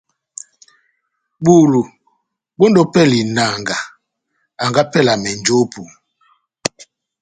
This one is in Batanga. Bulu bɔndi ópɛlɛ ya inanga anga ópɛlɛ ya menjopo.